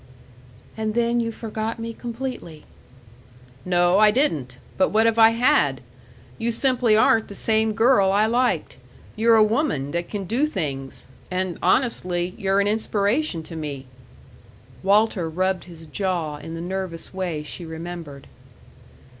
"And then you forgot me completely." "No, I didn't but what if I had? You simply aren't the same girl I liked you're a woman that can do things; and, honestly, you're an inspiration to me." Walter rubbed his jaw in the nervous way she remembered.